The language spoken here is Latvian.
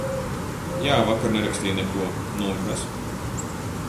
Jā, vakar nerakstīju neko, nu un kas?